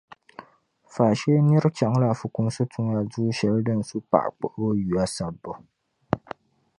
Faashee nir’ chaŋla fukumsi tuma du’ shɛli din su paɣ’ kpuɣibo yuya sabbu.